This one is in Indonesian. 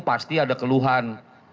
pasti ada keluhan